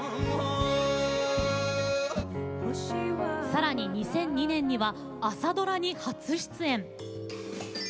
さらに２００２年には朝ドラに初出演。